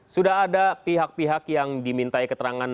sudah ada pihak pihak yang dimintai keterangan